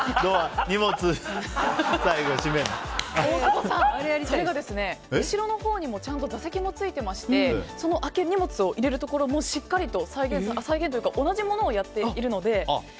大久保さん、それが後ろのほうにもちゃんと座席がついていましてその荷物を入れるところも再現というか同じものをやっているので。